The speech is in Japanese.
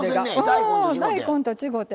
大根と違うて。